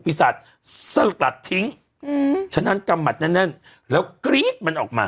ปีศาสตร์ทิ้งอืมฉะนั้นจำหมัดนั่นนั่นแล้วกรี๊ดมันออกมา